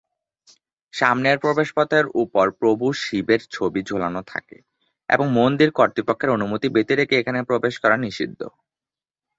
সামনের প্রবেশপথের ওপর প্রভু শিবের ছবি ঝোলানো থাকে এবং মন্দির কর্তৃপক্ষের অনুমতি ব্যতিরেকে এখানে প্রবেশ করা নিষিদ্ধ।